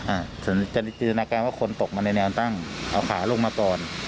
อ่ะสำนักการณ์ว่าคนตกมาในแนวตั้งเอาขาลงมาก่อน